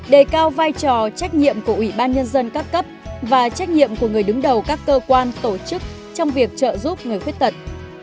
đề cao vai trò trách nhiệm của ủy ban nhân dân các cấp và trách nhiệm của người đứng đầu các cơ quan tổ chức trong việc trợ giúp người khuyết tật